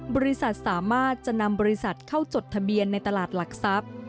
บริษัทสามารถจะนำบริษัทเข้าจดทะเบียนในตลาดหลักทรัพย์